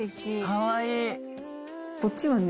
かわいい！